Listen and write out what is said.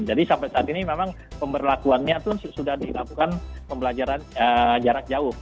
jadi sampai saat ini memang pemberlakuannya itu sudah dilakukan pembelajaran jarak jauh